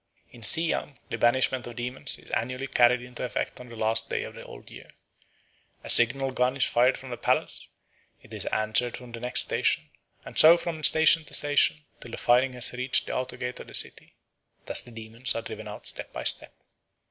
In Siam the banishment of demons is annually carried into effect on the last day of the old year. A signal gun is fired from the palace; it is answered from the next station, and so on from station to station, till the firing has reached the outer gate of the city. Thus the demons are driven out step by step.